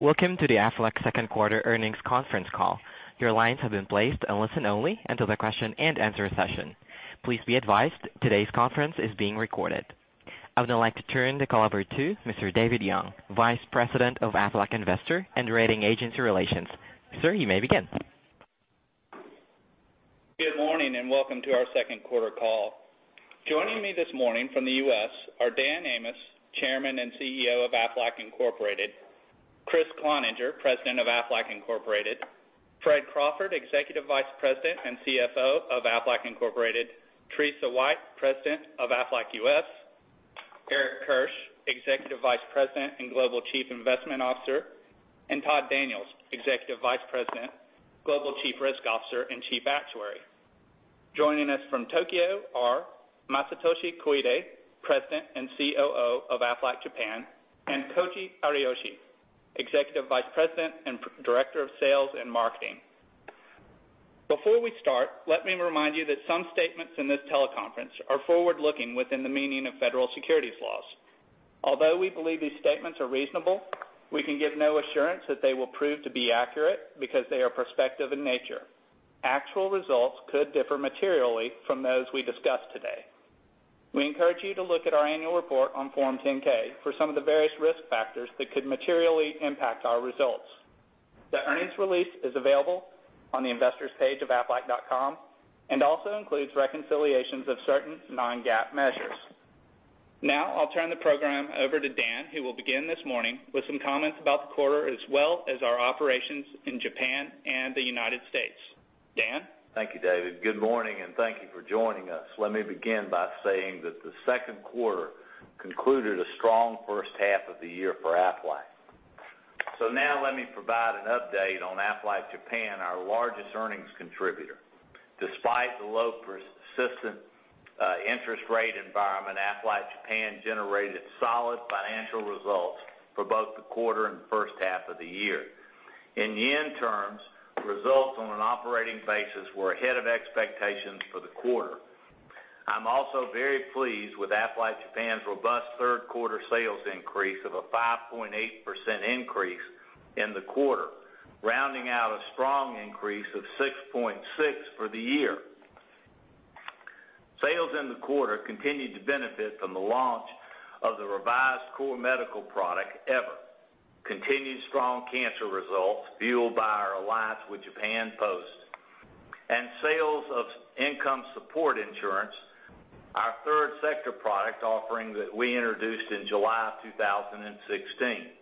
Welcome to the Aflac second quarter earnings conference call. Your lines have been placed on listen only until the question and answer session. Please be advised, today's conference is being recorded. I would now like to turn the call over to Mr. David Young, Vice President of Aflac Investor and Rating Agency Relations. Sir, you may begin. Good morning, welcome to our second quarter call. Joining me this morning from the U.S. are Dan Amos, Chairman and CEO of Aflac Incorporated, Kriss Cloninger, President of Aflac Incorporated, Fred Crawford, Executive Vice President and CFO of Aflac Incorporated, Teresa White, President of Aflac U.S., Eric Kirsch, Executive Vice President and Global Chief Investment Officer, and Todd Daniels, Executive Vice President, Global Chief Risk Officer, and Chief Actuary. Joining us from Tokyo are Masatoshi Koide, President and COO of Aflac Japan, and Koji Ariyoshi, Executive Vice President and Director of Sales and Marketing. Before we start, let me remind you that some statements in this teleconference are forward-looking within the meaning of federal securities laws. Although we believe these statements are reasonable, we can give no assurance that they will prove to be accurate because they are prospective in nature. Actual results could differ materially from those we discuss today. We encourage you to look at our annual report on Form 10-K for some of the various risk factors that could materially impact our results. The earnings release is available on the investors page of aflac.com and also includes reconciliations of certain non-GAAP measures. I'll turn the program over to Dan, who will begin this morning with some comments about the quarter as well as our operations in Japan and the United States. Dan? Thank you, David. Good morning, thank you for joining us. Let me begin by saying that the second quarter concluded a strong first half of the year for Aflac. Let me provide an update on Aflac Japan, our largest earnings contributor. Despite the low persistent interest rate environment, Aflac Japan generated solid financial results for both the quarter and first half of the year. In yen terms, results on an operating basis were ahead of expectations for the quarter. I'm also very pleased with Aflac Japan's robust third quarter sales increase of a 5.8% increase in the quarter, rounding out a strong increase of 6.6% for the year. Sales in the quarter continued to benefit from the launch of the revised core medical product, EVER. Continued strong cancer results fueled by our alliance with Japan Post. Sales of Income Support Insurance, our third sector product offering that we introduced in July 2016.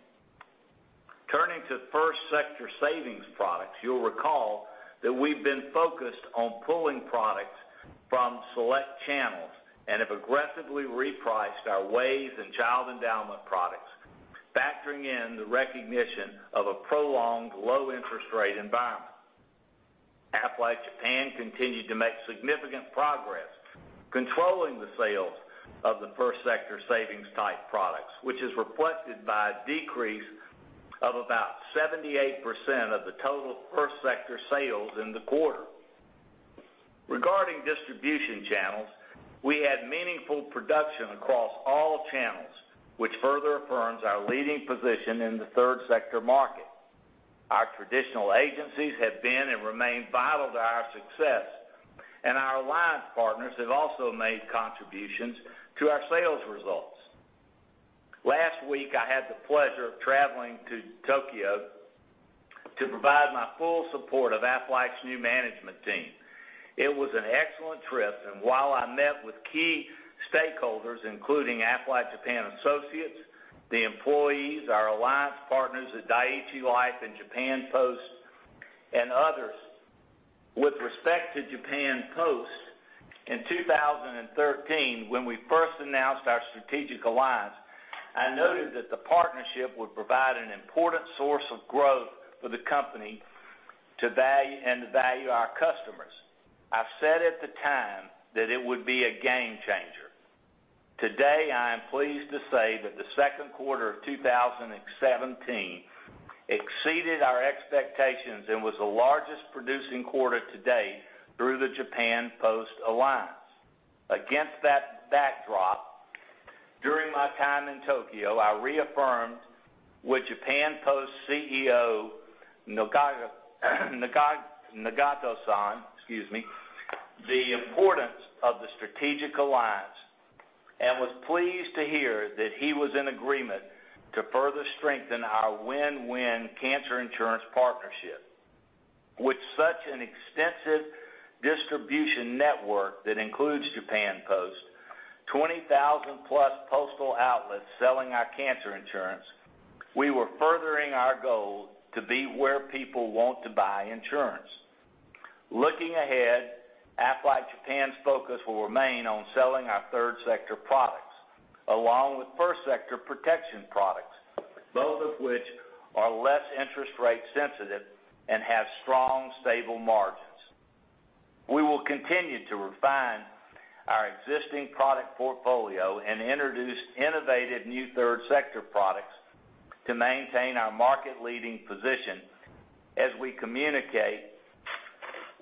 Turning to first sector savings products, you'll recall that we've been focused on pulling products from select channels and have aggressively repriced our WAYS and Child Endowment products, factoring in the recognition of a prolonged low interest rate environment. Aflac Japan continued to make significant progress controlling the sales of the first sector savings type products, which is reflected by a decrease of about 78% of the total first sector sales in the quarter. Regarding distribution channels, we had meaningful production across all channels, which further affirms our leading position in the third sector market. Our traditional agencies have been and remain vital to our success, and our alliance partners have also made contributions to our sales results. Last week, I had the pleasure of traveling to Tokyo to provide my full support of Aflac's new management team. It was an excellent trip, and while I met with key stakeholders, including Aflac Japan associates, the employees, our alliance partners at Dai-ichi Life and Japan Post, and others. With respect to Japan Post, in 2013, when we first announced our strategic alliance, I noted that the partnership would provide an important source of growth for the company and value our customers. I've said at the time that it would be a game changer. Today, I am pleased to say that the second quarter of 2017 exceeded our expectations and was the largest producing quarter to date through the Japan Post Alliance. Against that backdrop, during my time in Tokyo, I reaffirmed with Japan Post CEO, Nagata-san, excuse me, the importance of the strategic alliance and was pleased to hear that he was in agreement to further strengthen our win-win cancer insurance partnership. With such an extensive distribution network that includes Japan Post, 20,000-plus postal outlets selling our cancer insurance, we were furthering our goal to be where people want to buy insurance. Looking ahead, Aflac Japan's focus will remain on selling our third sector products, along with first sector protection products, both of which are less interest rate sensitive and have strong, stable margins. We will continue to refine our existing product portfolio and introduce innovative new third sector products to maintain our market leading position as we communicate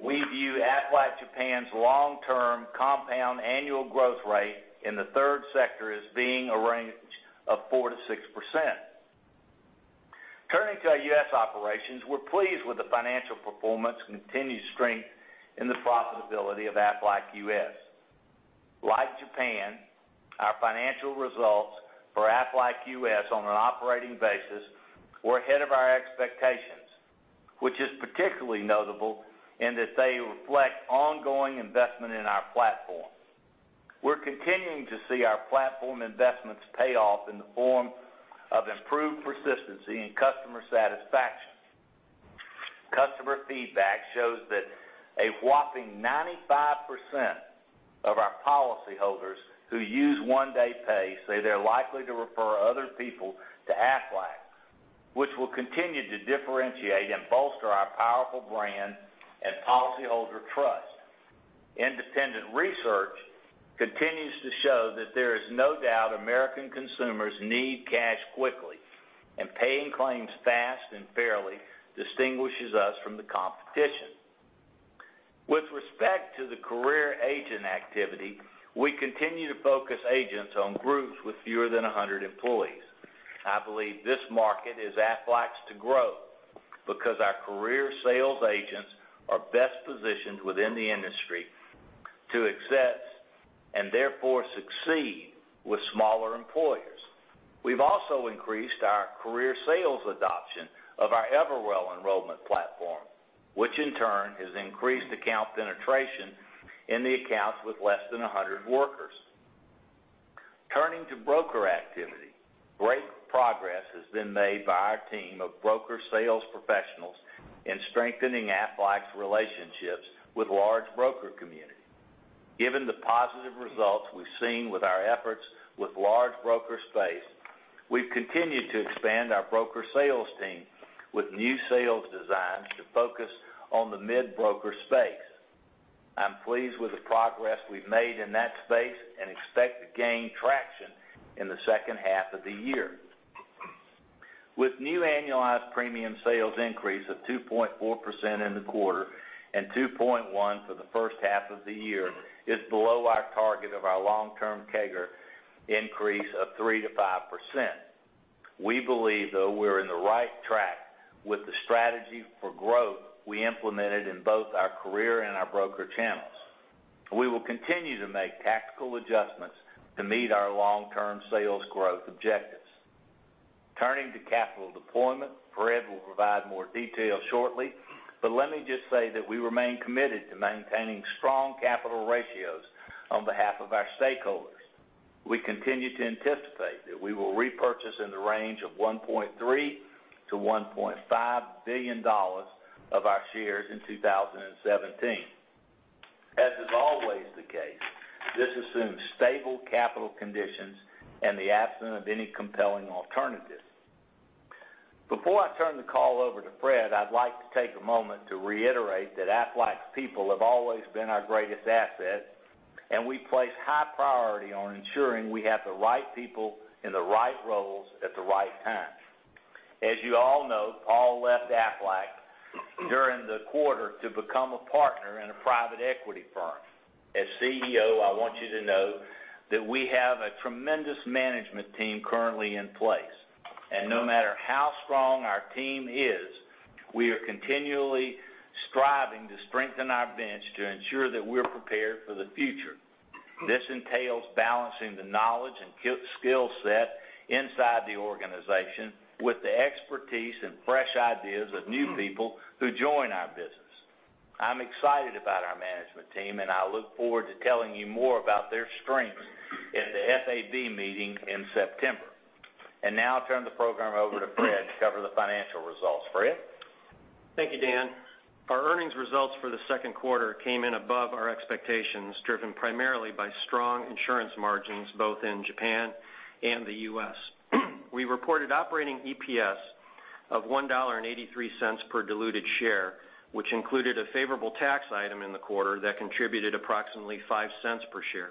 We view Aflac Japan's long-term compound annual growth rate in the third sector as being a range of 4%-6%. Turning to our U.S. operations, we're pleased with the financial performance and continued strength in the profitability of Aflac U.S. Like Japan, our financial results for Aflac U.S. on an operating basis were ahead of our expectations, which is particularly notable in that they reflect ongoing investment in our platform. We're continuing to see our platform investments pay off in the form of improved persistency and customer satisfaction. Customer feedback shows that a whopping 95% of our policyholders who use One Day Pay say they're likely to refer other people to Aflac, which will continue to differentiate and bolster our powerful brand and policyholder trust. Independent research continues to show that there is no doubt American consumers need cash quickly, and paying claims fast and fairly distinguishes us from the competition. With respect to the career agent activity, we continue to focus agents on groups with fewer than 100 employees. I believe this market is Aflac's to grow because our career sales agents are best positioned within the industry to accept and therefore succeed with smaller employers. We've also increased our career sales adoption of our Everwell enrollment platform, which in turn has increased account penetration in the accounts with less than 100 workers. Turning to broker activity, great progress has been made by our team of broker sales professionals in strengthening Aflac's relationships with large broker community. Given the positive results we've seen with our efforts with large broker space, we've continued to expand our broker sales team with new sales designs to focus on the mid-broker space. I'm pleased with the progress we've made in that space and expect to gain traction in the second half of the year. With new annualized premium sales increase of 2.4% in the quarter and 2.1% for the first half of the year is below our target of our long-term CAGR increase of 3%-5%. We believe, though, we're in the right track with the strategy for growth we implemented in both our career and our broker channels. We will continue to make tactical adjustments to meet our long-term sales growth objectives. Turning to capital deployment, Fred will provide more details shortly, but let me just say that we remain committed to maintaining strong capital ratios on behalf of our stakeholders. We continue to anticipate that we will repurchase in the range of $1.3 billion-$1.5 billion of our shares in 2017. As is always the case, this assumes stable capital conditions and the absence of any compelling alternative. Before I turn the call over to Fred, I'd like to take a moment to reiterate that Aflac's people have always been our greatest asset, and we place high priority on ensuring we have the right people in the right roles at the right time. As you all know, Paul left Aflac during the quarter to become a partner in a private equity firm. As CEO, I want you to know that we have a tremendous management team currently in place. No matter how strong our team is, we are continually striving to strengthen our bench to ensure that we're prepared for the future. This entails balancing the knowledge and skill set inside the organization with the expertise and fresh ideas of new people who join our business. I'm excited about our management team, and I look forward to telling you more about their strengths at the FAB meeting in September. Now I'll turn the program over to Fred to cover the financial results. Fred? Thank you, Dan. Our earnings results for the second quarter came in above our expectations, driven primarily by strong insurance margins both in Japan and the U.S. We reported operating EPS of $1.83 per diluted share, which included a favorable tax item in the quarter that contributed approximately $0.05 per share.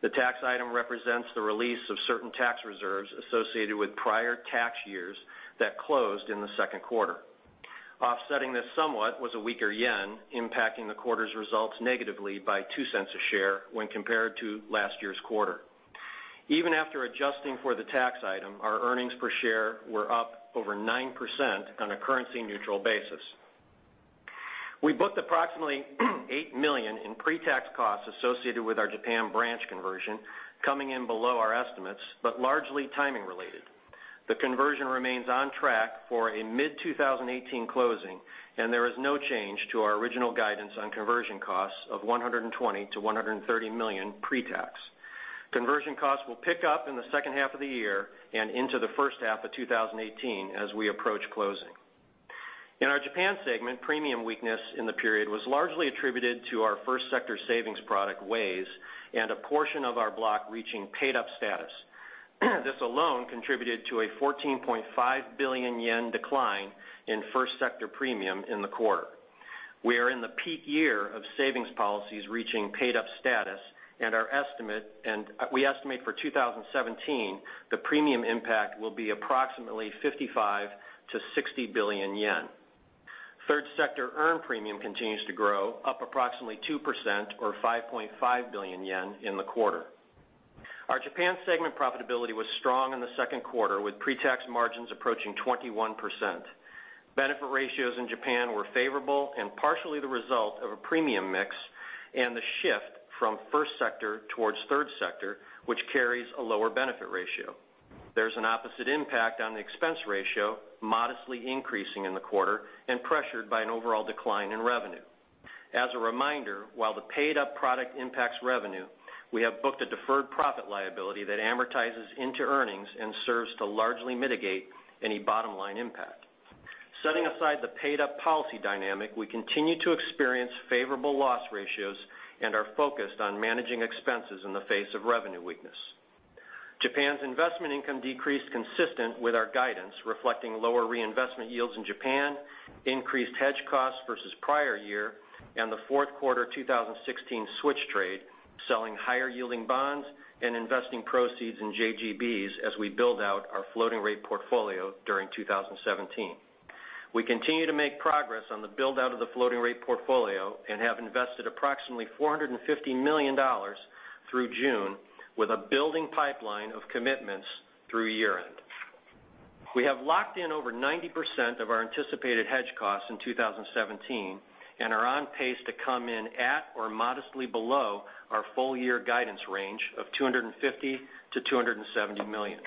The tax item represents the release of certain tax reserves associated with prior tax years that closed in the second quarter. Offsetting this somewhat was a weaker JPY, impacting the quarter's results negatively by $0.02 a share when compared to last year's quarter. Even after adjusting for the tax item, our earnings per share were up over 9% on a currency-neutral basis. We booked approximately $8 million in pre-tax costs associated with our Japan branch conversion, coming in below our estimates, but largely timing related. The conversion remains on track for a mid-2018 closing. There is no change to our original guidance on conversion costs of $120 million-$130 million pre-tax. Conversion costs will pick up in the second half of the year and into the first half of 2018 as we approach closing. In our Japan segment, premium weakness in the period was largely attributed to our first sector savings product WAYS and a portion of our block reaching paid-up status. This alone contributed to a 14.5 billion yen decline in first sector premium in the quarter. We are in the peak year of savings policies reaching paid-up status, and we estimate for 2017, the premium impact will be approximately 55 billion-60 billion yen. Third sector earned premium continues to grow, up approximately 2% or 5.5 billion yen in the quarter. Our Japan segment profitability was strong in the second quarter, with pre-tax margins approaching 21%. Benefit ratios in Japan were favorable and partially the result of a premium mix and the shift from first sector towards third sector, which carries a lower benefit ratio. There's an opposite impact on the expense ratio, modestly increasing in the quarter and pressured by an overall decline in revenue. As a reminder, while the paid-up product impacts revenue, we have booked a deferred profit liability that amortizes into earnings and serves to largely mitigate any bottom-line impact. Setting aside the paid-up policy dynamic, we continue to experience favorable loss ratios and are focused on managing expenses in the face of revenue weakness. Japan's investment income decreased consistent with our guidance, reflecting lower reinvestment yields in Japan, increased hedge costs versus prior year, and the fourth quarter 2016 switch trade, selling higher yielding bonds and investing proceeds in JGBs as we build out our floating rate portfolio during 2017. We continue to make progress on the build-out of the floating rate portfolio and have invested approximately $450 million through June with a building pipeline of commitments through year-end. We have locked in over 90% of our anticipated hedge costs in 2017 and are on pace to come in at or modestly below our full year guidance range of $250 million-$270 million.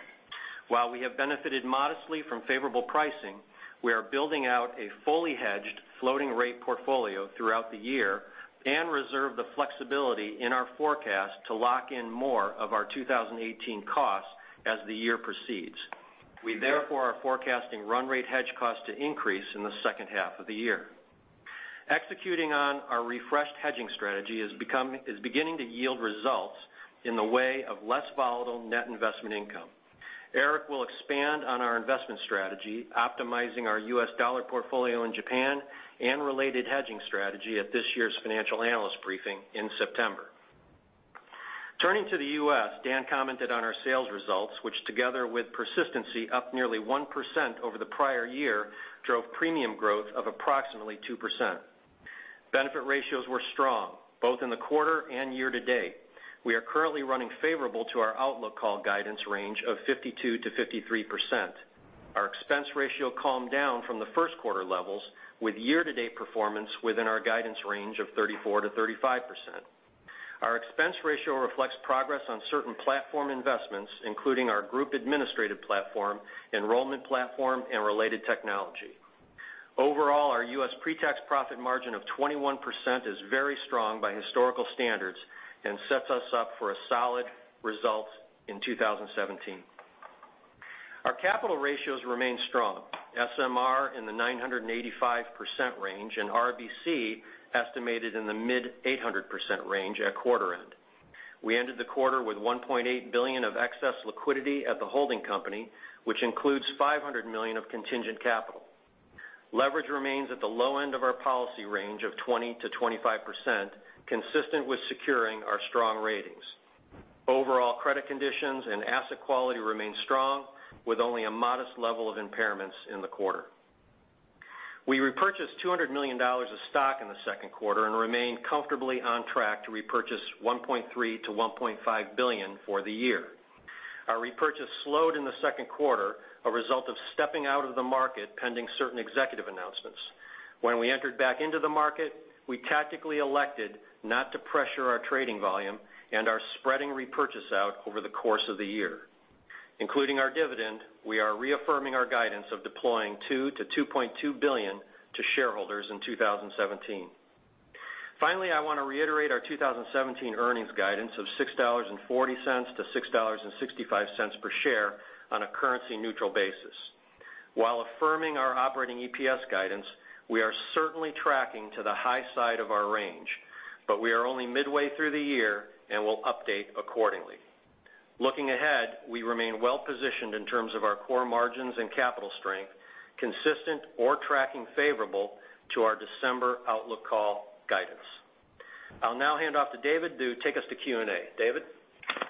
While we have benefited modestly from favorable pricing, we are building out a fully hedged floating rate portfolio throughout the year and reserve the flexibility in our forecast to lock in more of our 2018 costs as the year proceeds. We therefore are forecasting run rate hedge costs to increase in the second half of the year. Executing on our refreshed hedging strategy is beginning to yield results in the way of less volatile net investment income. Eric Kirsch will expand on our investment strategy, optimizing our U.S. dollar portfolio in Japan and related hedging strategy at this year's financial analyst briefing in September. Turning to the U.S., Dan Amos commented on our sales results, which together with persistency up nearly 1% over the prior year, drove premium growth of approximately 2%. Benefit ratios were strong, both in the quarter and year-to-date. We are currently running favorable to our outlook call guidance range of 52%-53%. Our expense ratio calmed down from the first quarter levels with year-to-date performance within our guidance range of 34%-35%. Our expense ratio reflects progress on certain platform investments, including our group administrative platform, enrollment platform, and related technology. Overall, our U.S. pre-tax profit margin of 21% is very strong by historical standards and sets us up for a solid result in 2017. Our capital ratios remain strong. SMR in the 985% range, and RBC estimated in the mid 800% range at quarter end. We ended the quarter with $1.8 billion of excess liquidity at the holding company, which includes $500 million of contingent capital. Leverage remains at the low end of our policy range of 20%-25%, consistent with securing our strong ratings. Overall credit conditions and asset quality remain strong with only a modest level of impairments in the quarter. We repurchased $200 million of stock in the second quarter and remain comfortably on track to repurchase $1.3 billion-$1.5 billion for the year. Our repurchase slowed in the second quarter, a result of stepping out of the market pending certain executive announcements. When we entered back into the market, we tactically elected not to pressure our trading volume and are spreading repurchase out over the course of the year. Including our dividend, we are reaffirming our guidance of deploying $2 billion-$2.2 billion to shareholders in 2017. Finally, I want to reiterate our 2017 earnings guidance of $6.40-$6.65 per share on a currency neutral basis. While affirming our operating EPS guidance, we are certainly tracking to the high side of our range, but we are only midway through the year and will update accordingly. Looking ahead, we remain well-positioned in terms of our core margins and capital strength, consistent or tracking favorable to our December outlook call guidance. I'll now hand off to David Young to take us to Q&A. David Young?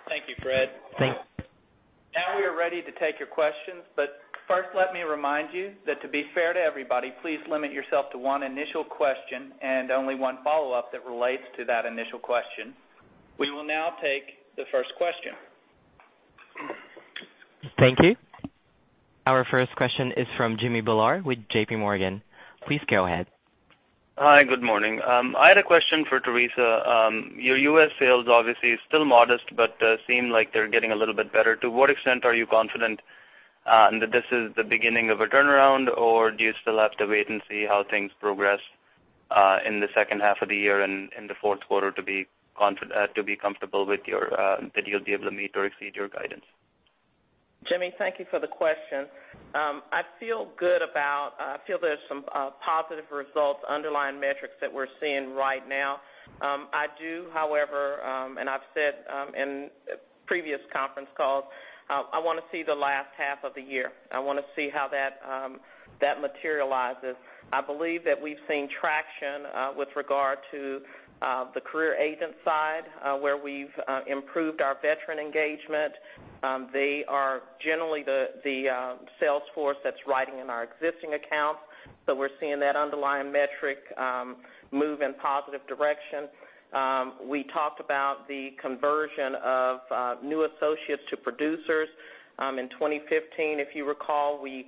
Thank you, Fred Crawford. We are ready to take your questions, first let me remind you that to be fair to everybody, please limit yourself to one initial question and only one follow-up that relates to that initial question. We will now take the first question. Thank you. Our first question is from Jimmy Bhullar with J.P. Morgan. Please go ahead. Hi, good morning. I had a question for Teresa. Your U.S. sales obviously is still modest, but seem like they're getting a little bit better. To what extent are you confident that this is the beginning of a turnaround, or do you still have to wait and see how things progress in the second half of the year and in the fourth quarter to be comfortable that you'll be able to meet or exceed your guidance? Jimmy, thank you for the question. I feel there's some positive results underlying metrics that we're seeing right now. I do, however, and I've said in previous conference calls, I want to see the last half of the year. I want to see how that materializes. I believe that we've seen traction with regard to the career agent side, where we've improved our veteran engagement They are generally the sales force that's writing in our existing accounts. We're seeing that underlying metric move in positive direction. We talked about the conversion of new associates to producers. In 2015, if you recall, we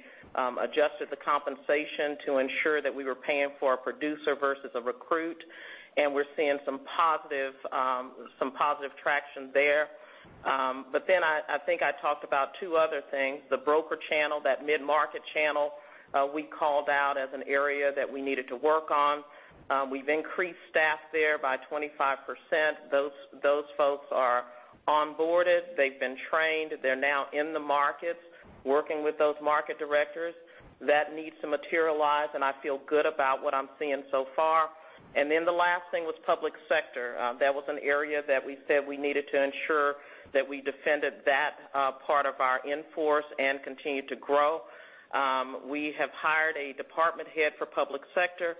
adjusted the compensation to ensure that we were paying for a producer versus a recruit, and we're seeing some positive traction there. I think I talked about two other things. The broker channel, that mid-market channel, we called out as an area that we needed to work on. We've increased staff there by 25%. Those folks are onboarded, they've been trained, they're now in the markets working with those market directors. That needs to materialize, and I feel good about what I'm seeing so far. The last thing was public sector. That was an area that we said we needed to ensure that we defended that part of our in-force and continued to grow. We have hired a department head for public sector.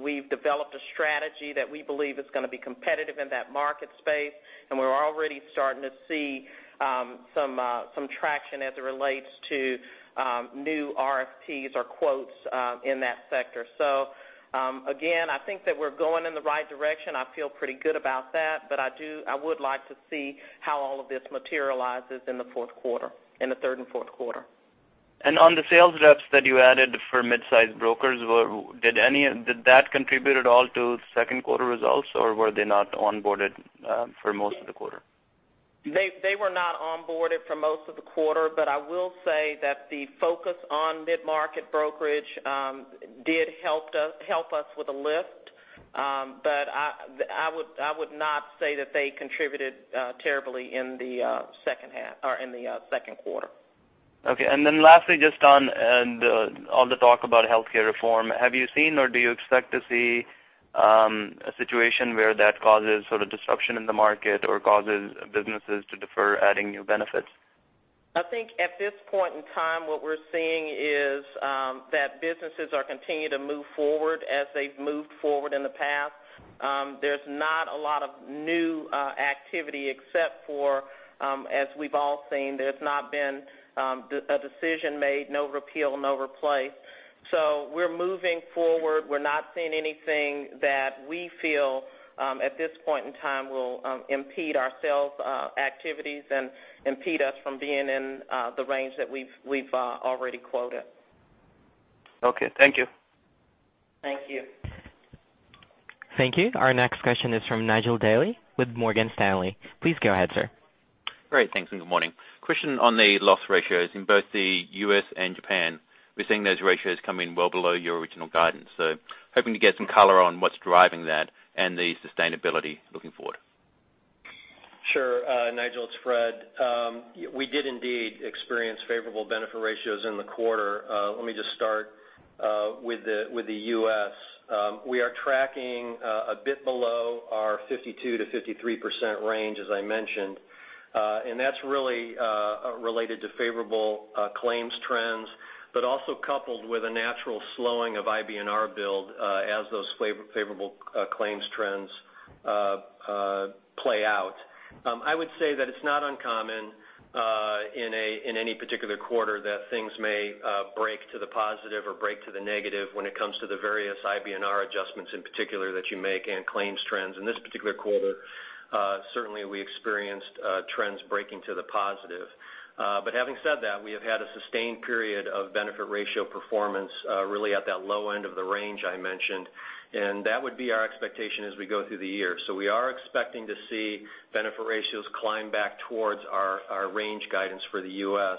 We've developed a strategy that we believe is going to be competitive in that market space, and we're already starting to see some traction as it relates to new RFPs or quotes in that sector. Again, I think that we're going in the right direction. I feel pretty good about that, but I would like to see how all of this materializes in the third and fourth quarter. On the sales reps that you added for mid-size brokers, did that contribute at all to second quarter results, or were they not onboarded for most of the quarter? They were not onboarded for most of the quarter, I will say that the focus on mid-market brokerage did help us with a lift. I would not say that they contributed terribly in the second quarter. Okay. Then lastly, just on all the talk about healthcare reform, have you seen or do you expect to see a situation where that causes sort of disruption in the market or causes businesses to defer adding new benefits? I think at this point in time, what we're seeing is that businesses are continuing to move forward as they've moved forward in the past. There's not a lot of new activity except for, as we've all seen, there's not been a decision made, no repeal, no replace. We're moving forward. We're not seeing anything that we feel at this point in time will impede our sales activities and impede us from being in the range that we've already quoted. Okay. Thank you. Thank you. Thank you. Our next question is from Nigel D'Souza with Morgan Stanley. Please go ahead, sir. Great. Thanks, and good morning. Question on the loss ratios in both the U.S. and Japan. We're seeing those ratios come in well below your original guidance. Hoping to get some color on what's driving that and the sustainability looking forward. Sure. Nigel, it's Fred. We did indeed experience favorable benefit ratios in the quarter. Let me just start with the U.S. We are tracking a bit below our 52%-53% range, as I mentioned. That's really related to favorable claims trends, but also coupled with a natural slowing of IBNR build as those favorable claims trends play out. I would say that it's not uncommon in any particular quarter that things may break to the positive or break to the negative when it comes to the various IBNR adjustments in particular that you make and claims trends. In this particular quarter, certainly we experienced trends breaking to the positive. Having said that, we have had a sustained period of benefit ratio performance really at that low end of the range I mentioned, and that would be our expectation as we go through the year. We are expecting to see benefit ratios climb back towards our range guidance for the U.S.,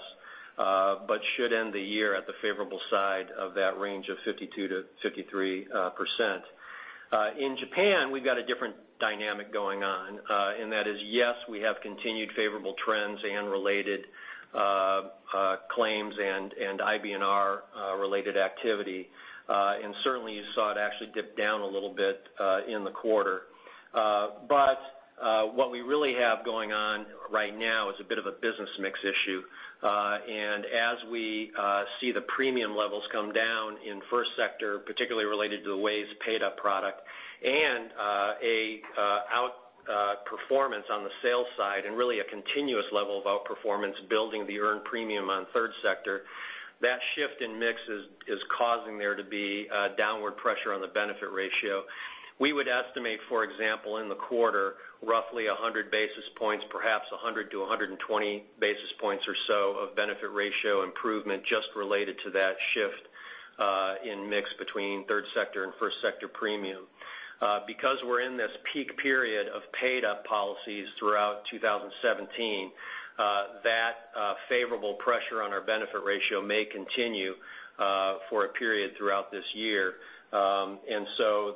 but should end the year at the favorable side of that range of 52%-53%. In Japan, we've got a different dynamic going on, and that is, yes, we have continued favorable trends and related claims and IBNR related activity. Certainly you saw it actually dip down a little bit in the quarter. What we really have going on right now is a bit of a business mix issue. As we see the premium levels come down in first sector, particularly related to the WAYS paid up product and an outperformance on the sales side and really a continuous level of outperformance building the earned premium on third sector. That shift in mix is causing there to be a downward pressure on the benefit ratio. We would estimate, for example, in the quarter, roughly 100 basis points, perhaps 100-120 basis points or so of benefit ratio improvement just related to that shift in mix between third sector and first sector premium. Because we're in this peak period of paid up policies throughout 2017, that favorable pressure on our benefit ratio may continue for a period throughout this year.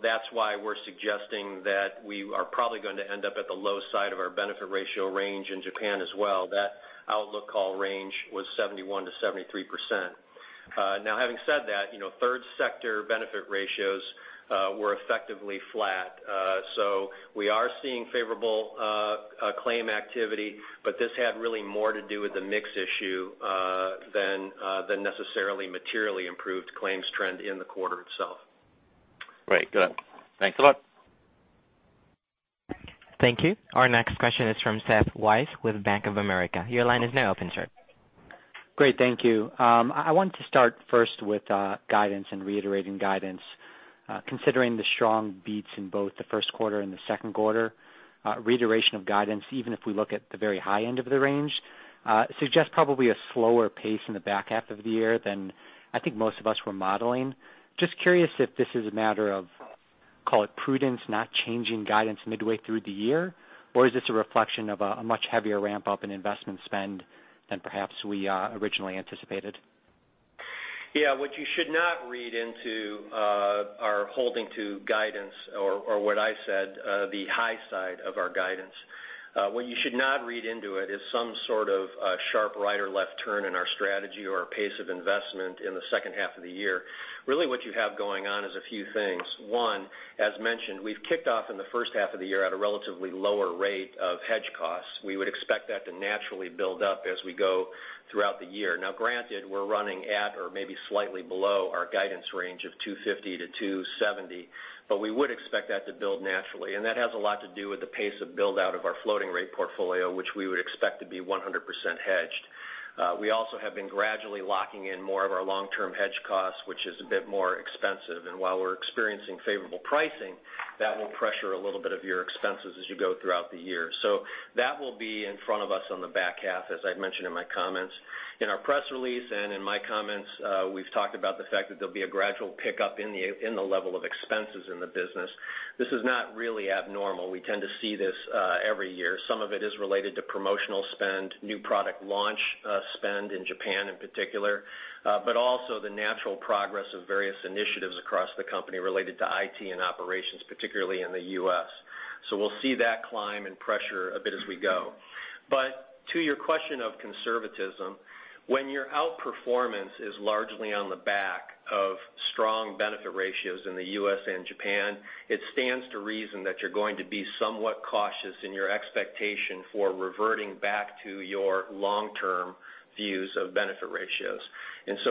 That's why we're suggesting that we are probably going to end up at the low side of our benefit ratio range in Japan as well. That outlook call range was 71%-73%. Now having said that, third sector benefit ratios were effectively flat. We are seeing favorable claim activity, but this had really more to do with the mix issue than necessarily materially improved claims trend in the quarter itself. Right. Got it. Thanks a lot. Thank you. Our next question is from Seth Weiss with Bank of America. Your line is now open, sir. Great. Thank you. I want to start first with guidance and reiterating guidance. Considering the strong beats in both the first quarter and the second quarter, reiteration of guidance, even if we look at the very high end of the range, suggests probably a slower pace in the back half of the year than I think most of us were modeling. Just curious if this is a matter of, call it prudence, not changing guidance midway through the year, or is this a reflection of a much heavier ramp-up in investment spend than perhaps we originally anticipated? Yeah. What you should not read into our holding to guidance or what I said, the high side of our guidance. What you should not read into it is some sort of sharp right or left turn in our strategy or our pace of investment in the second half of the year. Really what you have going on is a few things. One, as mentioned, we've kicked off in the first half of the year at a relatively lower rate of hedge costs. We would expect that to naturally build up as we go throughout the year. Now, granted, we're running at or maybe slightly below our guidance range of 250 to 270, but we would expect that to build naturally, and that has a lot to do with the pace of build-out of our floating rate portfolio, which we would expect to be 100% hedged. We also have been gradually locking in more of our long-term hedge costs, which is a bit more expensive. While we're experiencing favorable pricing, that will pressure a little bit of your expenses as you go throughout the year. That will be in front of us on the back half, as I've mentioned in my comments. In our press release and in my comments, we've talked about the fact that there'll be a gradual pickup in the level of expenses in the business. This is not really abnormal. We tend to see this every year. Some of it is related to promotional spend, new product launch spend in Japan in particular, but also the natural progress of various initiatives across the company related to IT and operations, particularly in the U.S. We'll see that climb and pressure a bit as we go. To your question of conservatism, when your outperformance is largely on the back of strong benefit ratios in the U.S. and Japan, it stands to reason that you're going to be somewhat cautious in your expectation for reverting back to your long-term views of benefit ratios.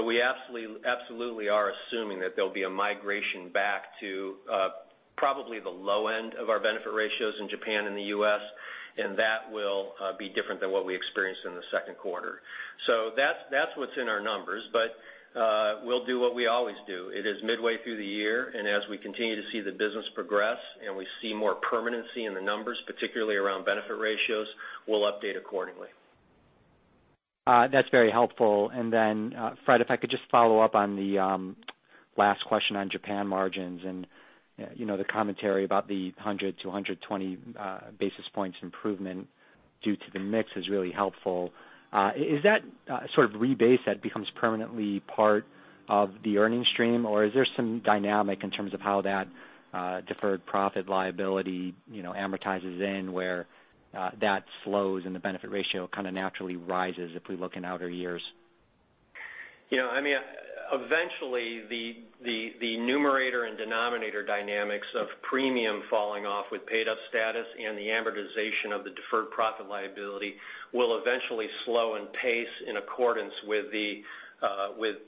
We absolutely are assuming that there'll be a migration back to probably the low end of our benefit ratios in Japan and the U.S., and that will be different than what we experienced in the second quarter. That's what's in our numbers, but we'll do what we always do. It is midway through the year, and as we continue to see the business progress and we see more permanency in the numbers, particularly around benefit ratios, we'll update accordingly. That's very helpful. Then Fred, if I could just follow up on the last question on Japan margins and the commentary about the 100 to 120 basis points improvement due to the mix is really helpful. Is that sort of rebase that becomes permanently part of the earnings stream, or is there some dynamic in terms of how that deferred profit liability amortizes in where that slows and the benefit ratio kind of naturally rises if we look in outer years? Eventually, the numerator and denominator dynamics of premium falling off with paid-up status and the amortization of the deferred profit liability will eventually slow in pace in accordance with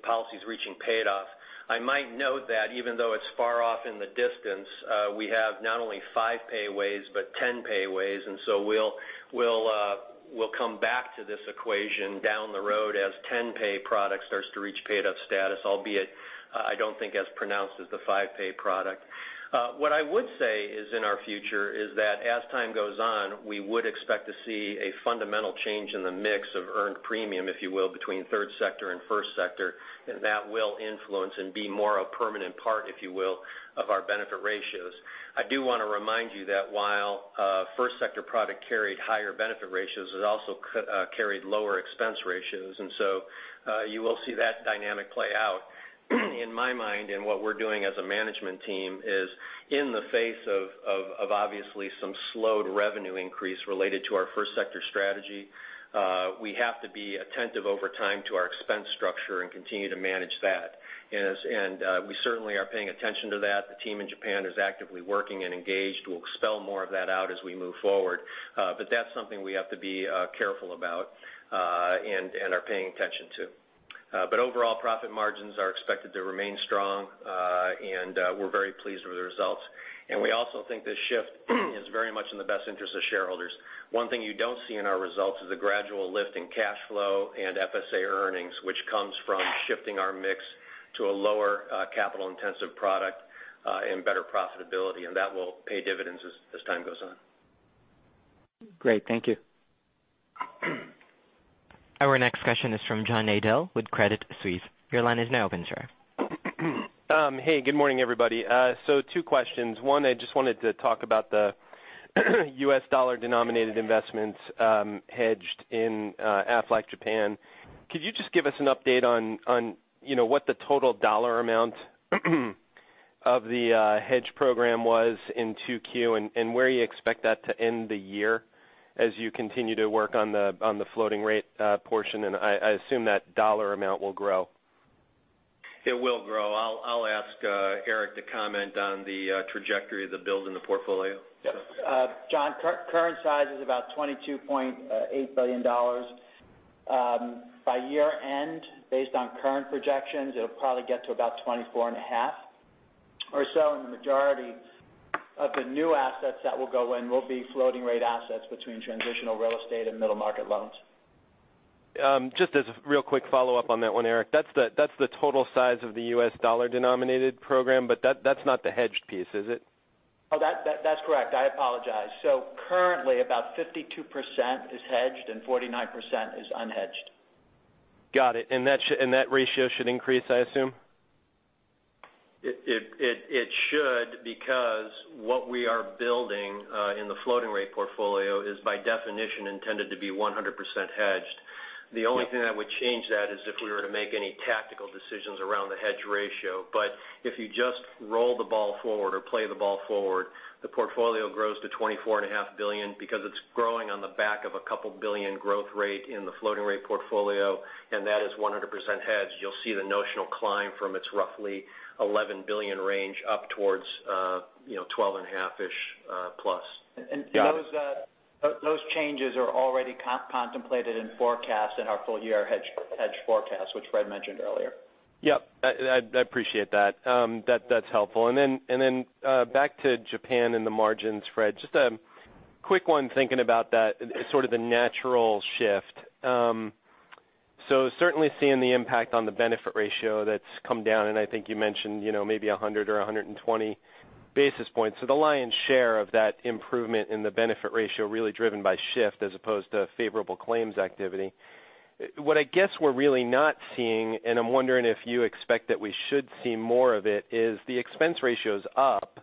policies reaching paid off. I might note that even though it's far off in the distance, we have not only five-pay WAYS, but ten-pay WAYS. We'll come back to this equation down the road as ten-pay product starts to reach paid-up status, albeit I don't think as pronounced as the five-pay product. What I would say is in our future is that as time goes on, we would expect to see a fundamental change in the mix of earned premium, if you will, between third sector and first sector, and that will influence and be more a permanent part, if you will, of our benefit ratios. I do want to remind you that while first sector product carried higher benefit ratios, it also carried lower expense ratios. You will see that dynamic play out. In my mind, and what we're doing as a management team is in the face of obviously some slowed revenue increase related to our first sector strategy, we have to be attentive over time to our expense structure and continue to manage that. We certainly are paying attention to that. The team in Japan is actively working and engaged. We'll expel more of that out as we move forward. That's something we have to be careful about and are paying attention to. Overall, profit margins are expected to remain strong and we're very pleased with the results. We also think this shift is very much in the best interest of shareholders. One thing you don't see in our results is a gradual lift in cash flow and FSA earnings, which comes from shifting our mix to a lower capital intensive product and better profitability. That will pay dividends as time goes on. Great. Thank you. Our next question is from John Nadel with Credit Suisse. Your line is now open, sir. Good morning, everybody. Two questions. One, I just wanted to talk about the U.S. dollar denominated investments hedged in Aflac Japan. Could you just give us an update on what the total dollar amount of the hedge program was in 2Q and where you expect that to end the year as you continue to work on the floating rate portion? I assume that dollar amount will grow. It will grow. I'll ask Eric to comment on the trajectory of the build in the portfolio. Yes. John, current size is about $22.8 billion. By year-end, based on current projections, it'll probably get to about $24.5 billion or so. The majority of the new assets that will go in will be floating rate assets between transitional real estate and middle market loans. Just as a real quick follow-up on that one, Eric. That's the total size of the U.S. dollar-denominated program, that's not the hedged piece, is it? That's correct. I apologize. Currently, about 52% is hedged and 49% is unhedged. Got it. That ratio should increase, I assume? It should, because what we are building in the floating rate portfolio is by definition intended to be 100% hedged. The only thing that would change that is if we were to make any tactical decisions around the hedge ratio. If you just roll the ball forward or play the ball forward, the portfolio grows to $24.5 billion because it's growing on the back of a JPY couple billion growth rate in the floating rate portfolio, and that is 100% hedged. You'll see the notional climb from its roughly 11 billion range up towards 12.5-ish plus. Those changes are already contemplated in forecast in our full-year hedge forecast, which Fred mentioned earlier. Yep. I appreciate that. That's helpful. Back to Japan and the margins, Fred, just a quick one thinking about that, sort of the natural shift. Certainly seeing the impact on the benefit ratio that's come down, and I think you mentioned maybe 100 or 120 basis points. The lion's share of that improvement in the benefit ratio really driven by shift as opposed to favorable claims activity. What I guess we're really not seeing, and I'm wondering if you expect that we should see more of it, is the expense ratio's up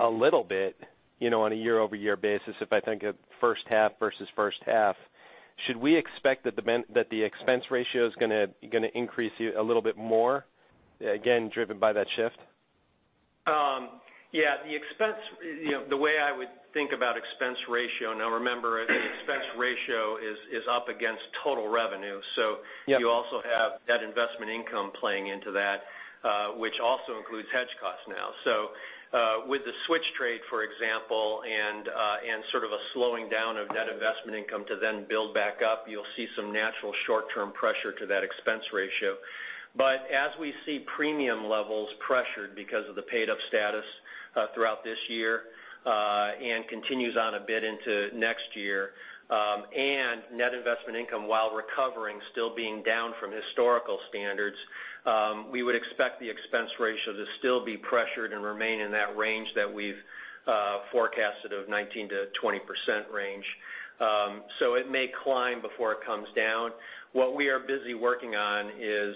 a little bit on a year-over-year basis, if I think of first half versus first half. Should we expect that the expense ratio is going to increase a little bit more, again, driven by that shift? Yeah. The way I would think about expense ratio, now remember, expense ratio is up against total revenue. Yep. You also have net investment income playing into that, which also includes hedge costs now. With the switch trade, for example, and sort of a slowing down of net investment income to then build back up, you'll see some natural short-term pressure to that expense ratio. As we see premium levels pressured because of the paid-up status throughout this year and continues on a bit into next year, and net investment income, while recovering, still being down from historical standards, we would expect the expense ratio to still be pressured and remain in that range that we've forecasted of 19%-20% range. It may climb before it comes down. What we are busy working on is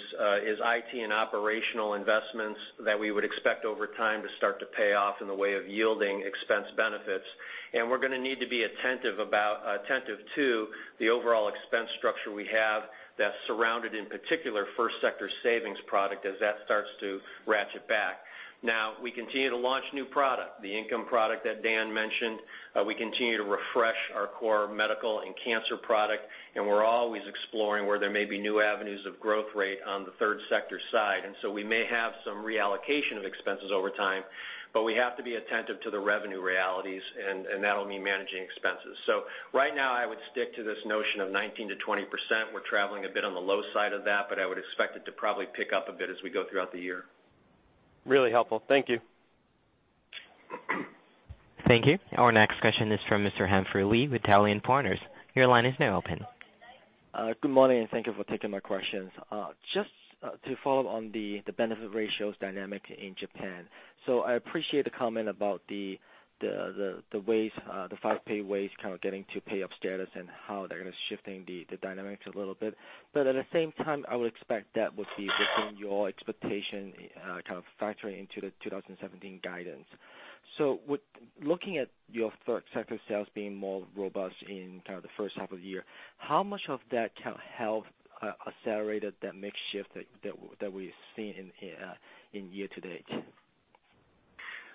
IT and operational investments that we would expect over time to start to pay off in the way of yielding expense benefits. We're going to need to be attentive to the overall expense structure we have that's surrounded, in particular, first sector savings product, as that starts to ratchet back. We continue to launch new product, the Income Support Insurance that Dan mentioned. We continue to refresh our core medical and cancer product, and we're always exploring where there may be new avenues of growth rate on the third sector side. We may have some reallocation of expenses over time, but we have to be attentive to the revenue realities, and that'll mean managing expenses. Right now, I would stick to this notion of 19%-20%. We're traveling a bit on the low side of that, but I would expect it to probably pick up a bit as we go throughout the year. Really helpful. Thank you. Thank you. Our next question is from Mr. Humphrey Lee with Dowling & Partners. Your line is now open. Good morning. Thank you for taking my questions. Just to follow up on the benefit ratios dynamic in Japan. I appreciate the comment about the five-pay WAYS kind of getting to pay-up status and how they're going to shifting the dynamics a little bit. At the same time, I would expect that would be within your expectation kind of factoring into the 2017 guidance. With looking at your third sector sales being more robust in kind of the first half of the year, how much of that can help accelerated that mix shift that we've seen in year to date?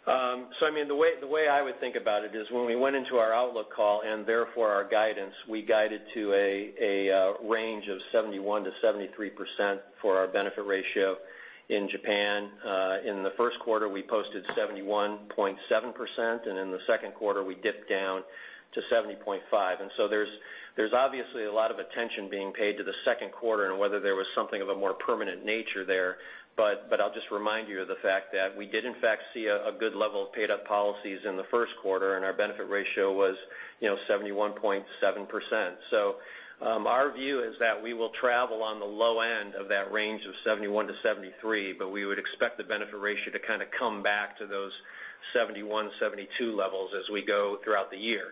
I mean, the way I would think about it is when we went into our outlook call and therefore our guidance, we guided to a range of 71%-73% for our benefit ratio in Japan. In the first quarter, we posted 71.7%, and in the second quarter, we dipped down to 70.5%. There's obviously a lot of attention being paid to the second quarter and whether there was something of a more permanent nature there. I'll just remind you of the fact that we did in fact see a good level of paid-up policies in the first quarter, and our benefit ratio was 71.7%. Our view is that we will travel on the low end of that range of 71-73, we would expect the benefit ratio to come back to those 71, 72 levels as we go throughout the year.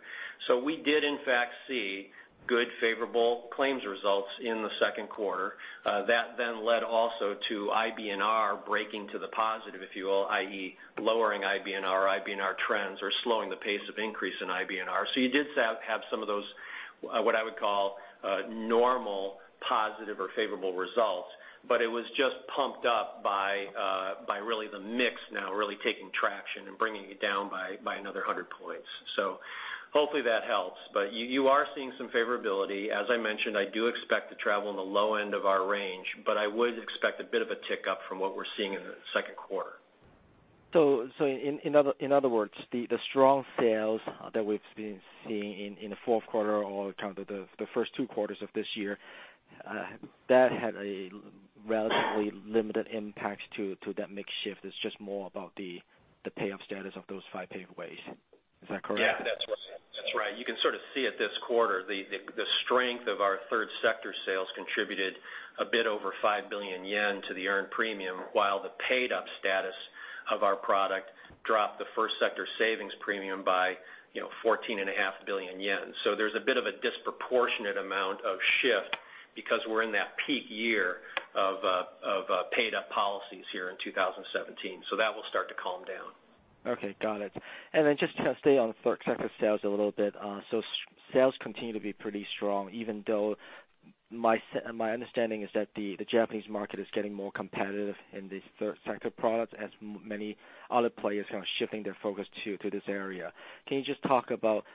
We did in fact see good favorable claims results in the second quarter. That led also to IBNR breaking to the positive, if you will, i.e., lowering IBNR trends or slowing the pace of increase in IBNR. You did have some of those, what I would call, normal, positive or favorable results. It was just pumped up by really the mix now really taking traction and bringing it down by another 100 points. Hopefully that helps. You are seeing some favorability. As I mentioned, I do expect to travel on the low end of our range, I would expect a bit of a tick up from what we're seeing in the second quarter. In other words, the strong sales that we've been seeing in the fourth quarter or the first two quarters of this year, that had a relatively limited impact to that mix shift. It's just more about the payoff status of those five-pay WAYS. Is that correct? That's right. You can see it this quarter, the strength of our third sector sales contributed a bit over 5 billion yen to the earned premium while the paid-up status of our product dropped the first sector savings premium by 14.5 billion yen. There's a bit of a disproportionate amount of shift because we're in that peak year of paid-up policies here in 2017. That will start to calm down. Okay. Got it. Just to stay on third sector sales a little bit. Sales continue to be pretty strong even though my understanding is that the Japanese market is getting more competitive in the third sector products as many other players are shifting their focus to this area. Can you just talk about,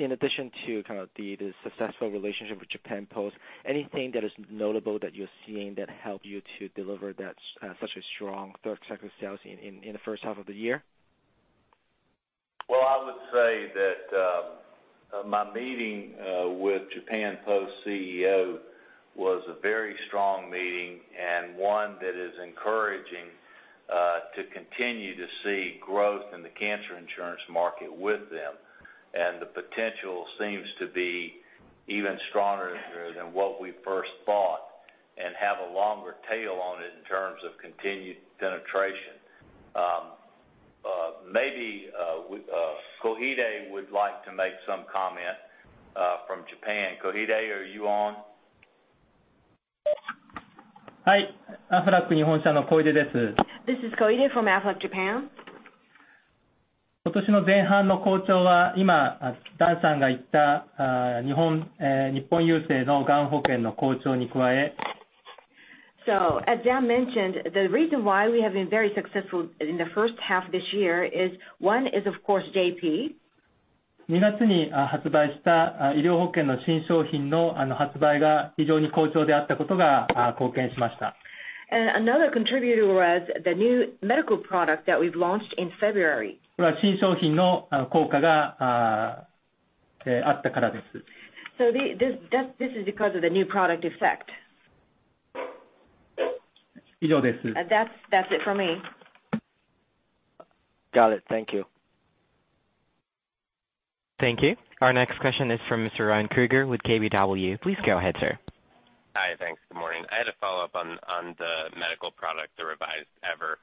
in addition to the successful relationship with Japan Post, anything that is notable that you're seeing that helped you to deliver such a strong third sector of sales in the first half of the year? I would say that my meeting with Japan Post CEO was a very strong meeting, and one that is encouraging to continue to see growth in the cancer insurance market with them. The potential seems to be even stronger than what we first thought and have a longer tail on it in terms of continued penetration. Maybe Koide would like to make some comment from Japan. Koide, are you on? This is Koide from Aflac Japan. As Dan mentioned, the reason why we have been very successful in the first half this year is, one is, of course, JP. Another contributor was the new medical product that we've launched in February. This is because of the new product effect. That's it from me. Got it. Thank you. Thank you. Our next question is from Mr. Ryan Krueger with KBW. Please go ahead, sir. Hi. Thanks. Good morning. I had a follow-up on the medical product, the revised EVER.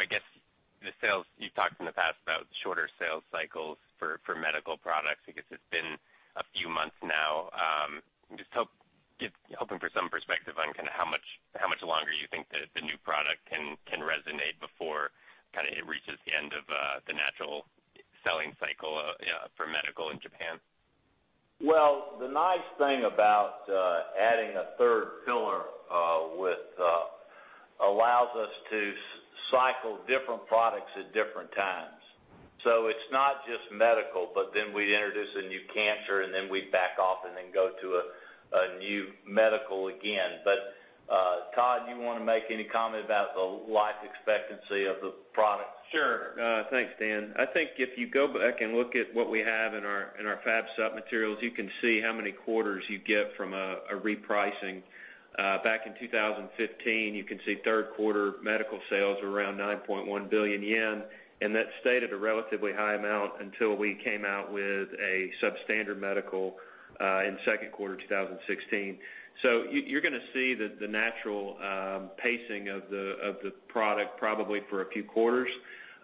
I guess the sales, you've talked in the past about shorter sales cycles for medical products because it's been a few months now. I'm just hoping for some perspective on how much longer you think that the new product can resonate before it reaches the end of the natural selling cycle for medical in Japan. Well, the nice thing about adding a third pillar allows us to cycle different products at different times. It's not just medical, but then we introduce a new cancer, and then we back off and then go to a new medical again. Todd, you want to make any comment about the life expectancy of the product? Sure. Thanks, Dan. I think if you go back and look at what we have in our FAB sup materials, you can see how many quarters you get from a repricing. Back in 2015, you can see third quarter medical sales were around 9.1 billion yen, and that stayed at a relatively high amount until we came out with a substandard medical in second quarter 2016. You're going to see the natural pacing of the product probably for a few quarters.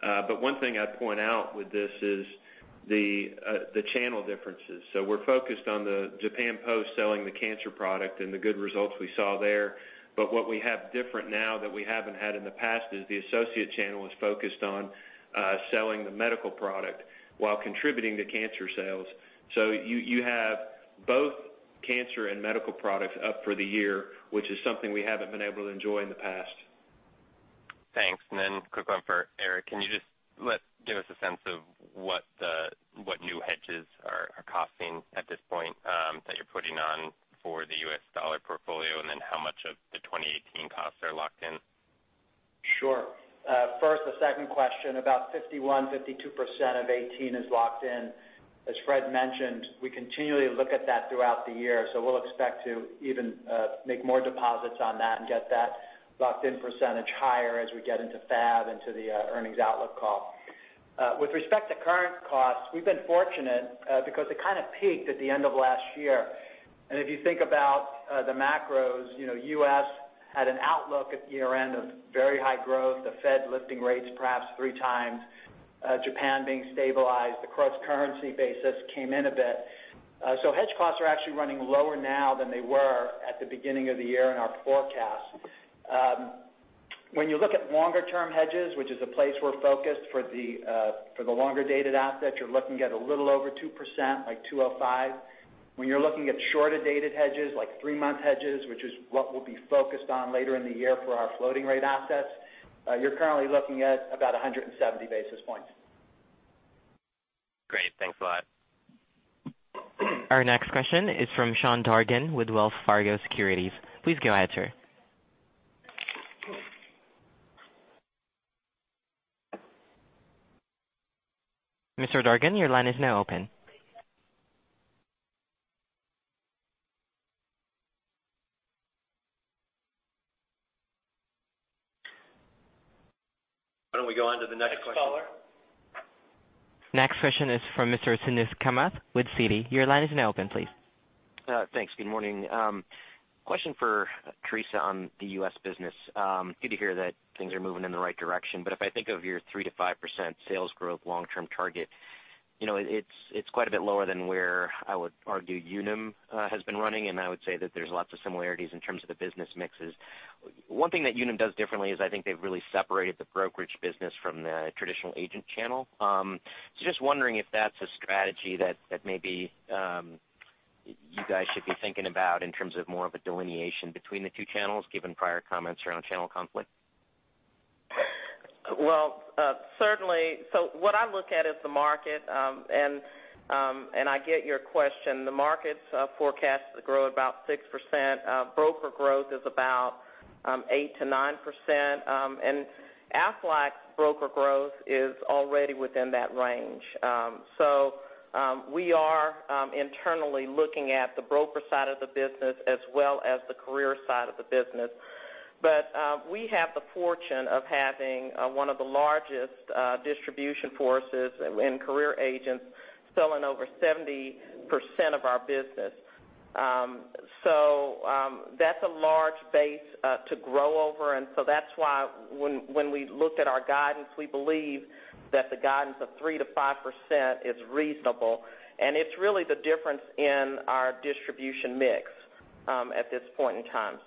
One thing I'd point out with this is the channel differences. We're focused on the Japan Post selling the cancer product and the good results we saw there. What we have different now that we haven't had in the past is the associate channel is focused on selling the medical product while contributing to cancer sales. You have both cancer and medical products up for the year, which is something we haven't been able to enjoy in the past. Thanks. Quick one for Eric. Can you just give us a sense of what new hedges are costing at this point that you're putting on for the U.S. dollar portfolio, and then how much of the 2018 costs are locked in? Sure. First, the second question, about 51%-52% of 2018 is locked in. As Fred mentioned, we continually look at that throughout the year, so we'll expect to even make more deposits on that and get that locked-in percentage higher as we get into FAB into the earnings outlook call. With respect to current costs, we've been fortunate because it kind of peaked at the end of last year. If you think about the macros, U.S. had an outlook at year-end of very high growth, the Fed lifting rates perhaps three times, Japan being stabilized, the cross-currency basis came in a bit. Hedge costs are actually running lower now than they were at the beginning of the year in our forecast. When you look at longer-term hedges, which is a place we're focused for the longer-dated assets, you're looking at a little over 2%, like 2.05. When you're looking at shorter-dated hedges, like three-month hedges, which is what we'll be focused on later in the year for our floating rate assets, you're currently looking at about 170 basis points. Thanks a lot. Our next question is from Sean Dargan with Wells Fargo Securities. Please go ahead, sir. Mr. Dargan, your line is now open. Why don't we go on to the next caller? Next question is from Mr. Suneet Kamath with Citi. Your line is now open, please. Thanks. Good morning. Question for Teresa on the U.S. business. Good to hear that things are moving in the right direction, but if I think of your 3%-5% sales growth long-term target, it's quite a bit lower than where I would argue Unum has been running, and I would say that there's lots of similarities in terms of the business mixes. One thing that Unum does differently is I think they've really separated the brokerage business from the traditional agent channel. Just wondering if that's a strategy that maybe you guys should be thinking about in terms of more of a delineation between the two channels, given prior comments around channel conflict. Well, certainly. What I look at is the market, and I get your question. The market is forecast to grow at about 6%. Broker growth is about 8%-9%, and Aflac's broker growth is already within that range. We are internally looking at the broker side of the business as well as the career side of the business. We have the fortune of having one of the largest distribution forces in career agents selling over 70% of our business. That's a large base to grow over, and that's why when we looked at our guidance, we believe that the guidance of 3%-5% is reasonable, and it's really the difference in our distribution mix at this point in time.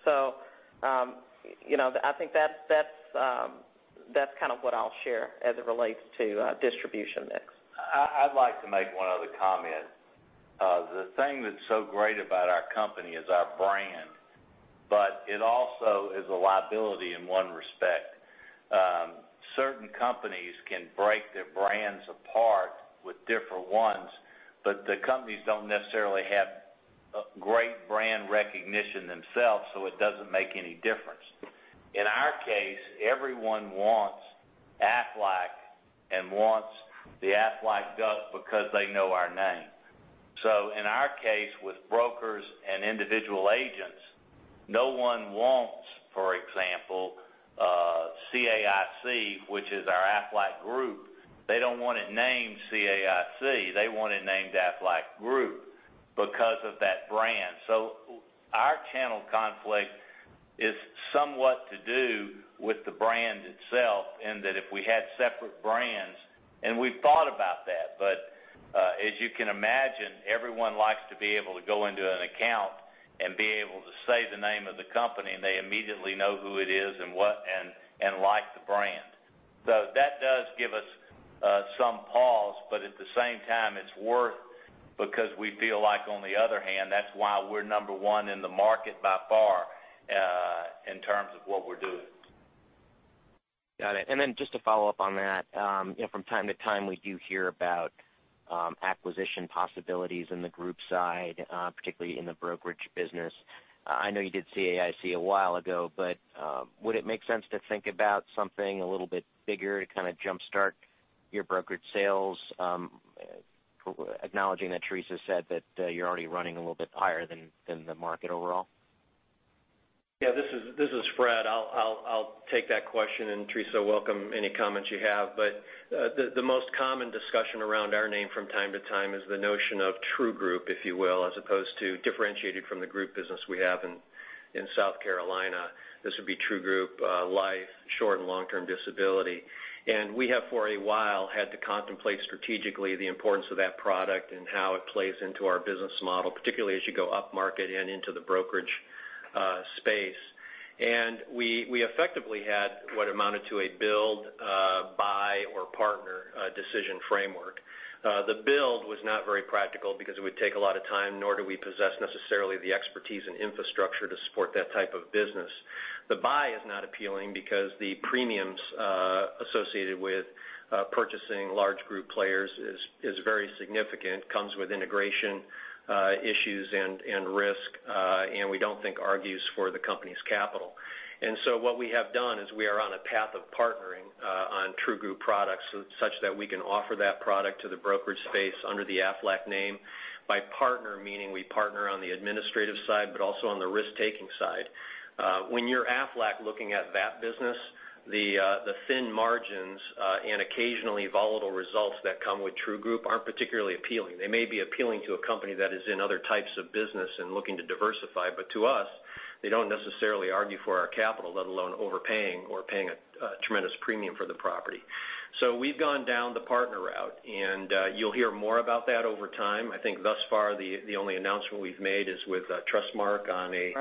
I think that's kind of what I'll share as it relates to distribution mix. I'd like to make one other comment. The thing that's so great about our company is our brand, but it also is a liability in one respect. Certain companies can break their brands apart with different ones, but the companies don't necessarily have great brand recognition themselves, so it doesn't make any difference. In our case, everyone wants Aflac and wants the Aflac duck because they know our name. In our case, with brokers and individual agents, no one wants, for example CAIC, which is our Aflac Group. They don't want it named CAIC. They want it named Aflac Group because of that brand. Our channel conflict is somewhat to do with the brand itself in that if we had separate brands, and we've thought about that, but as you can imagine, everyone likes to be able to go into an account and be able to say the name of the company, and they immediately know who it is and like the brand. That does give us some pause, but at the same time, it's worth because we feel like on the other hand, that's why we're number one in the market by far in terms of what we're doing. Got it. Just to follow up on that, from time to time, we do hear about acquisition possibilities in the group side, particularly in the brokerage business. I know you did CAIC a while ago, but would it make sense to think about something a little bit bigger to kind of jumpstart your brokerage sales, acknowledging that Teresa said that you're already running a little bit higher than the market overall? This is Fred. I'll take that question, Teresa, welcome any comments you have. The most common discussion around our name from time to time is the notion of True Group, if you will, as opposed to differentiated from the group business we have in South Carolina. This would be True Group, life, short and long-term disability. We have for a while had to contemplate strategically the importance of that product and how it plays into our business model, particularly as you go upmarket and into the brokerage space. We effectively had what amounted to a build, buy or partner decision framework. The build was not very practical because it would take a lot of time, nor do we possess necessarily the expertise and infrastructure to support that type of business. The buy is not appealing because the premiums associated with purchasing large group players is very significant, comes with integration issues and risk, we don't think argues for the company's capital. What we have done is we are on a path of partnering on True Group products such that we can offer that product to the brokerage space under the Aflac name. By partner, meaning we partner on the administrative side, but also on the risk-taking side. When you're Aflac looking at that business, the thin margins, and occasionally volatile results that come with True Group aren't particularly appealing. They may be appealing to a company that is in other types of business and looking to diversify. To us, they don't necessarily argue for our capital, let alone overpaying or paying a tremendous premium for the property. We've gone down the partner route, you'll hear more about that over time. I think thus far, the only announcement we've made is with Trustmark on a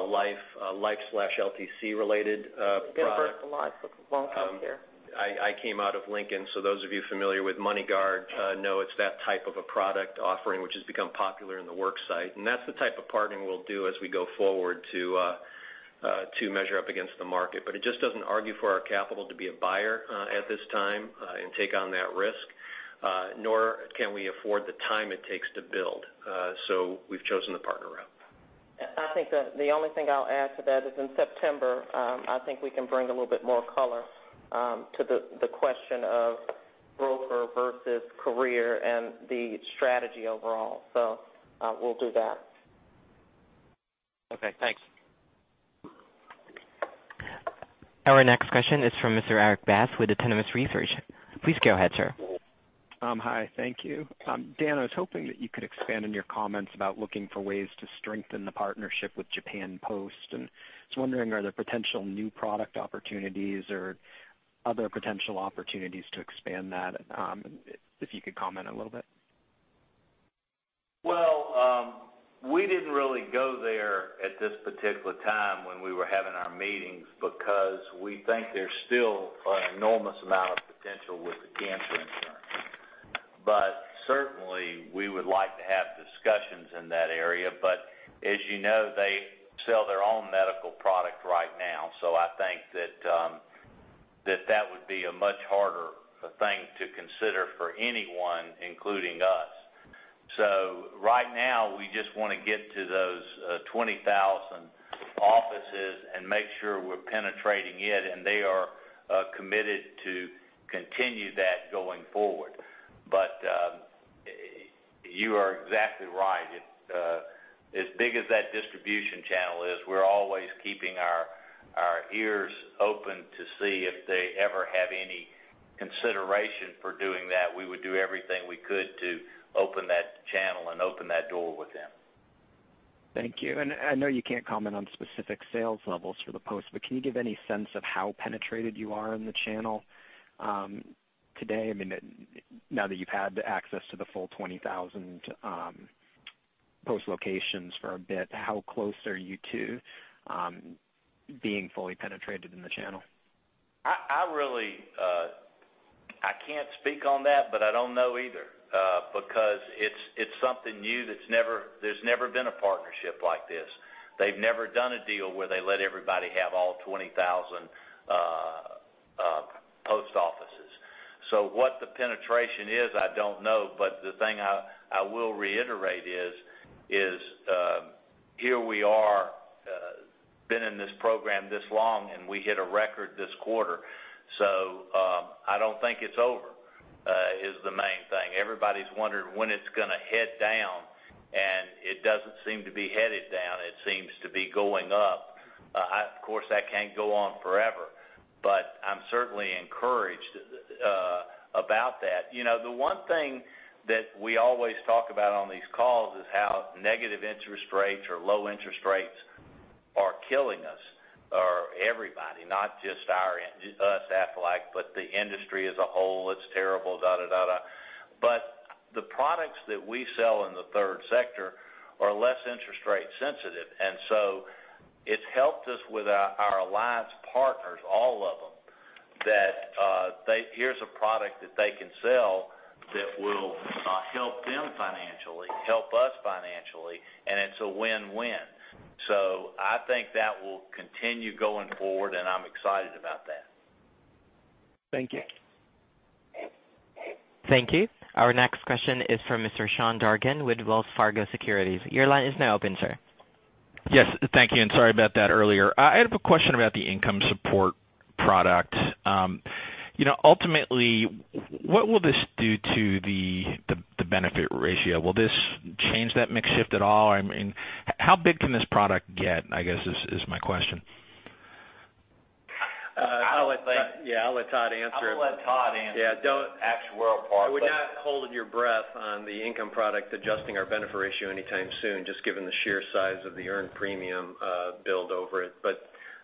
life/LTC related product. Get a burst of life long-term care. I came out of Lincoln, so those of you familiar with MoneyGuard know it's that type of a product offering, which has become popular in the work site. That's the type of partnering we'll do as we go forward to To measure up against the market. It just doesn't argue for our capital to be a buyer at this time and take on that risk, nor can we afford the time it takes to build. We've chosen to partner up. I think the only thing I'll add to that is in September, I think we can bring a little bit more color to the question of broker versus career and the strategy overall. We'll do that. Okay, thanks. Our next question is from Mr. Erik Bass with Autonomous Research. Please go ahead, sir. Hi. Thank you. Dan, I was hoping that you could expand on your comments about looking for ways to strengthen the partnership with Japan Post. Just wondering, are there potential new product opportunities or other potential opportunities to expand that? If you could comment a little bit. We didn't really go there at this particular time when we were having our meetings, because we think there's still an enormous amount of potential with the cancer insurance. Certainly, we would like to have discussions in that area. As you know, they sell their own medical product right now. I think that would be a much harder thing to consider for anyone, including us. Right now, we just want to get to those 20,000 offices and make sure we're penetrating it, and they are committed to continue that going forward. You are exactly right. As big as that distribution channel is, we're always keeping our ears open to see if they ever have any consideration for doing that. We would do everything we could to open that channel and open that door with them. Thank you. I know you can't comment on specific sales levels for the Post, but can you give any sense of how penetrated you are in the channel today? Now that you've had access to the full 20,000 Post locations for a bit, how close are you to being fully penetrated in the channel? I can't speak on that, but I don't know either. It's something new, there's never been a partnership like this. They've never done a deal where they let everybody have all 20,000 Post offices. What the penetration is, I don't know, but the thing I will reiterate is, here we are, been in this program this long, and we hit a record this quarter. I don't think it's over, is the main thing. Everybody's wondering when it's going to head down, and it doesn't seem to be headed down. It seems to be going up. Of course, that can't go on forever, but I'm certainly encouraged about that. The one thing that we always talk about on these calls is how negative interest rates or low interest rates are killing us or everybody, not just us, Aflac, but the industry as a whole. It's terrible. The products that we sell in the third sector are less interest rate sensitive, and so it's helped us with our alliance partners, all of them, that here's a product that they can sell that will help them financially, help us financially, and it's a win-win. I think that will continue going forward, and I'm excited about that. Thank you. Thank you. Our next question is from Mr. Sean Dargan with Wells Fargo Securities. Your line is now open, sir. Yes, thank you, and sorry about that earlier. I have a question about the Income Support product. Ultimately, what will this do to the benefit ratio? Will this change that mix shift at all? How big can this product get, I guess is my question. I'll let Todd answer. I'll let Todd answer the actual part. I would not hold your breath on the Income Support product adjusting our benefit ratio anytime soon, just given the sheer size of the earned premium build over it.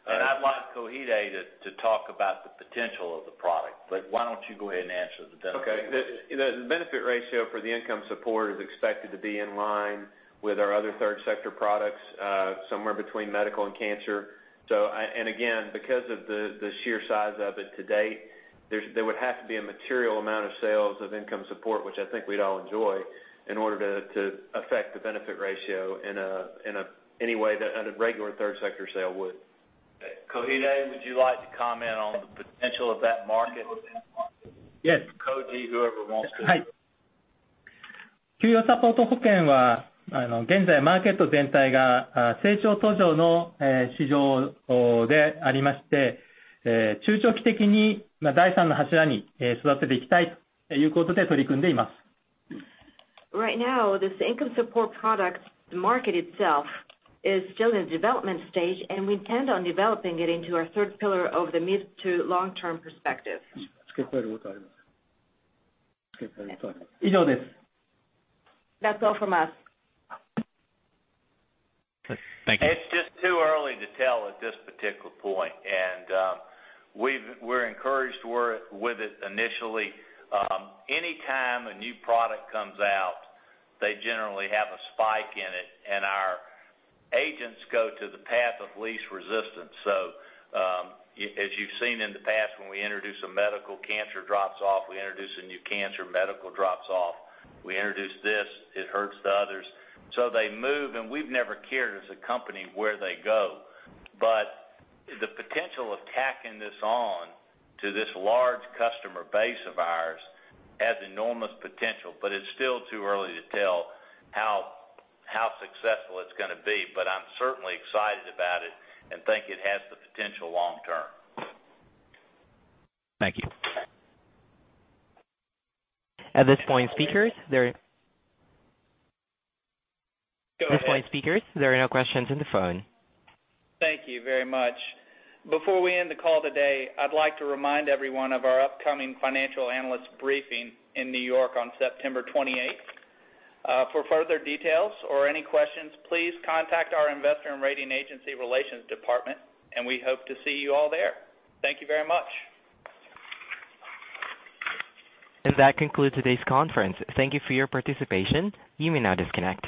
I'd like Koide to talk about the potential of the product. Why don't you go ahead and answer the benefit? Okay. The benefit ratio for the income support is expected to be in line with our other third sector products, somewhere between medical and cancer. Again, because of the sheer size of it to date, there would have to be a material amount of sales of income support, which I think we'd all enjoy, in order to affect the benefit ratio in any way that a regular third sector sale would. Koide, would you like to comment on the potential of that market? Yes. Koji, whoever wants to. Hi. Right now, this income support product market itself is still in the development stage. We intend on developing it into our third pillar over the mid-to-long-term perspective. That's all from us. Thank you. It's just too early to tell at this particular point. We're encouraged with it initially. Any time a new product comes out, they generally have a spike in it. Our agents go to the path of least resistance. As you've seen in the past, when we introduce a medical, cancer drops off. We introduce a new cancer, medical drops off. We introduce this, it hurts the others. They move. We've never cared as a company where they go. The potential of tacking this on to this large customer base of ours has enormous potential, but it's still too early to tell how successful it's going to be. I'm certainly excited about it and think it has the potential long term. Thank you. At this point, speakers. Go ahead. At this point, speakers, there are no questions on the phone. Thank you very much. Before we end the call today, I'd like to remind everyone of our upcoming financial analyst briefing in New York on September 28th. For further details or any questions, please contact our Investor and Rating Agency Relations department. We hope to see you all there. Thank you very much. That concludes today's conference. Thank you for your participation. You may now disconnect.